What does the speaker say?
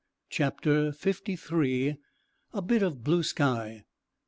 CHAPTER FIFTY THREE. A BIT OF BLUE SKY.